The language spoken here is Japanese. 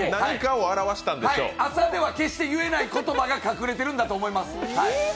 朝では決して言えない言葉が隠れているんだと思います。